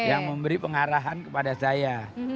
yang memberi pengarahan kepada saya